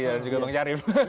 dan juga bang syarif